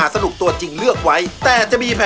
สวัสดีค่ะ